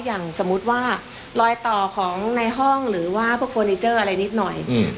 อย่างสมมุติว่าลอยต่อของในห้องหรือว่าพวกอะไรนิดหน่อยอืม